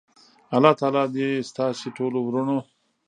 الله تعالی دی ستاسی ټولو ورونو